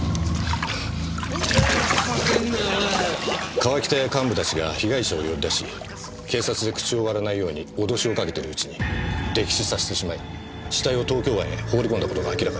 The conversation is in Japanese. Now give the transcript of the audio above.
川北や幹部たちが被害者を呼び出し警察で口を割らないように脅しをかけてるうちに溺死させてしまい死体を東京湾へ放り込んだ事が明らかになりました。